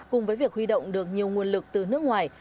cùng với việc huy động được nhiều nguồn lực từ nước ngoài